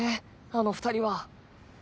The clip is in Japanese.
あの２人は。